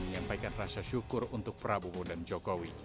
menyampaikan rasa syukur untuk prabowo dan jokowi